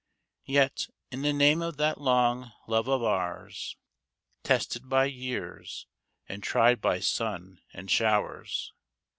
Yet, in the nante of that long love of ours. Tested by years and tried by sun and shoivers.